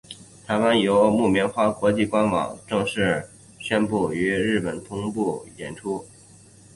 台湾由木棉花国际官网正式宣布与日本同步播出。